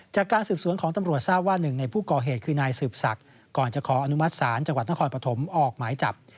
จากการสืบสวนของตำรวจทราบว่าหนึ่งในผู้ก่อเหตุคือนายสืบศักดิ์ก่อนจะขออนุมัติศาลจังหวัดนครปฐมออกหมายจับ